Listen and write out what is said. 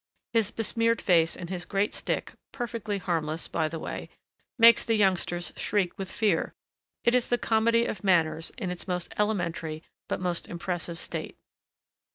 His besmeared face and his great stick perfectly harmless, by the way makes the youngsters shriek with fear. It is the comedy of manners in its most elementary but most impressive state.